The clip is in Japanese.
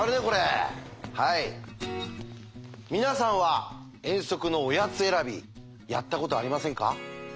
皆さんは遠足のおやつ選びやったことありませんか？